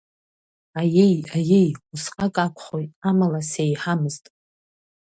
Аиеи, аиеи, усҟак акәхоит, амала, сеиҳамызт.